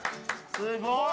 すごい！